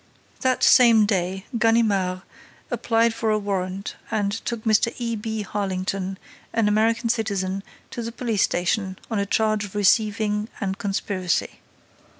That same day, Ganimard applied for a warrant and took Mr. E. B. Harlington, an American citizen, to the police station, on a charge of receiving and conspiracy.